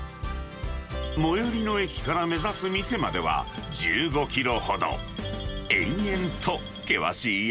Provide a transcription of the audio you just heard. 最寄りの駅から目指す店までは１５キロほど。